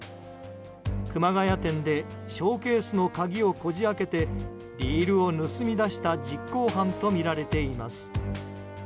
熊谷店でショーケースの鍵をこじ開けてリールを盗み出した実行犯とみられています。